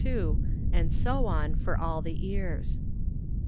2, and so on for all the ears.